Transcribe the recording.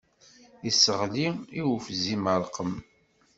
Yesseɣli i ufzim ṛṛqem.